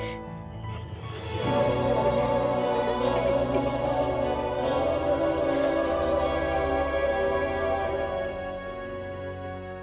ini semua keajaiban